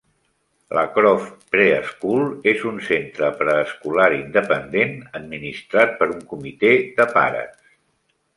La Croft Pre-School és un centre preescolar independent administrat per un comitè de pares.